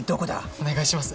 お願いします